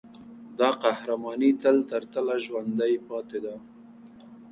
دا قهرماني تله ترتله ژوندي پاتې ده.